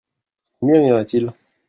Combien il y en a-t-il ?